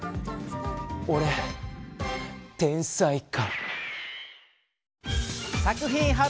おれ天才かも。